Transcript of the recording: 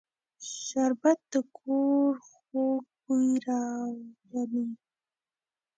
شربت د کور خوږ بوی راولي